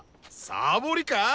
サボりか！？